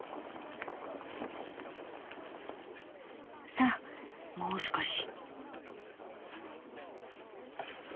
さあもう少し。